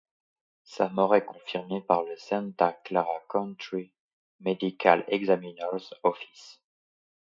Sa mort est confirmée par le Santa Clara County Medical Examiner's office.